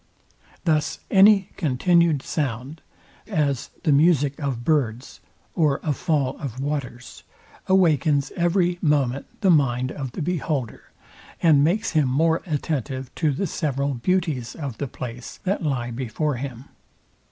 Thus any continued sound, as the music of birds, or a fall of waters, awakens every moment the mind of the beholder, and makes him more attentive to the several beauties of the place, that lie before him.